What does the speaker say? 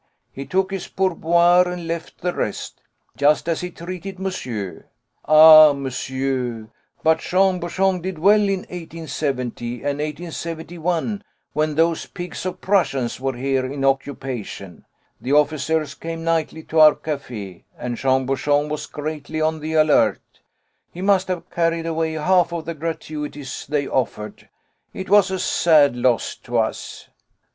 He took his pourboire and left the rest, just as he treated monsieur. Ah! monsieur! but Jean Bouchon did well in 1870 and 1871 when those pigs of Prussians were here in occupation. The officers came nightly to our café, and Jean Bouchon was greatly on the alert. He must have carried away half of the gratuities they offered. It was a sad loss to us."